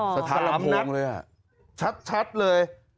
สถานพวงเลยชัดเลย